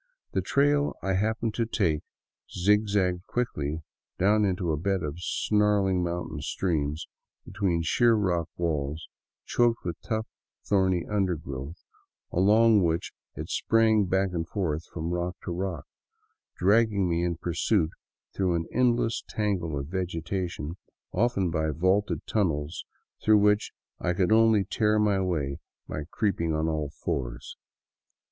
The trail I happened to take zigzagged quickly down into the bed of a snarling mountain stream between sheer rock walls, choked with tough, thorny undergrowth, along which it sprang back and forth from rock to rock, dragging me in pursuit through' an endless tangle of vegetation, often by vaulted tunnels through which I could only tear my way by creeping on all fours.